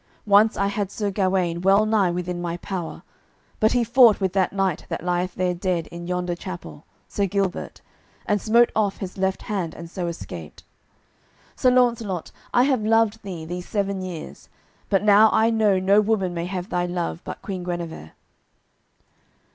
Once I had Sir Gawaine well nigh within my power, but he fought with that knight that lieth there dead in yonder chapel, Sir Gilbert, and smote off his left hand and so escaped. Sir Launcelot, I have loved thee these seven years, but now I know no woman may have thy love but Queen Guenever."